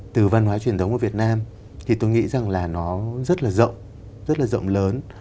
từ văn hóa truyền thống của việt nam thì tôi nghĩ rằng là nó rất là rộng rất là rộng lớn